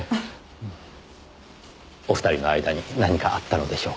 お二人の間に何かあったのでしょうか？